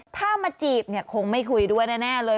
ถ้ามาจีบเนี่ยคงไม่คุยด้วยแน่เลย